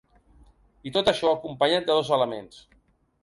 I tot això, acompanyat de dos elements.